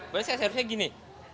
baru saya servicenya gini